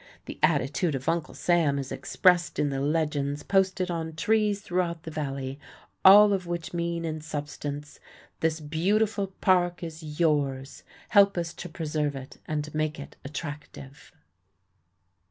The attitude of Uncle Sam is expressed in the legends posted on trees throughout the Valley, all of which mean in substance: "This beautiful park is yours. Help us to preserve it and make it attractive."